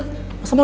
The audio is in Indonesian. terima kasih juga